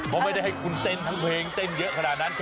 เพราะไม่ได้ให้คุณเต้นทั้งเพลงเต้นเยอะขนาดนั้น